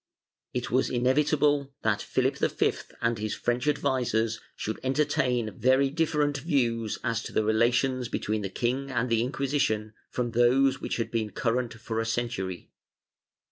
It was inevitable that Philip V and his French advisers should entertain very differ ent views as to the relations between the king and the Inquisition from those which had been current for a century.